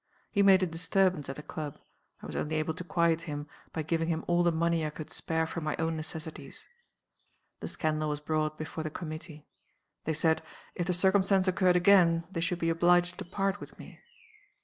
He made a disturbance at the club, I was only able to quiet him by giving him all the money I could spare from my own necessities. The scandal was brought before the committee. They said, if the circumstance occurred again, they should be obliged to part with me.